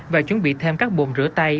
và chuẩn bị thêm các bồn rửa tay